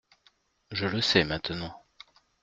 Je le sais maintenant.